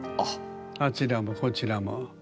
あちらもこちらも。